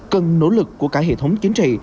cần nỗ lực của cả hệ thống chính trị